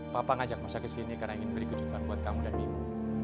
papa ngajak mocha ke sini karena ingin beri kejutan buat kamu dan bimu